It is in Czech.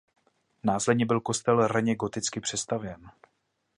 Následně byl kostel raně goticky přestavěn.